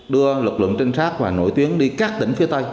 đưa lực lượng trinh sát và nội tuyến đi các tỉnh phía tây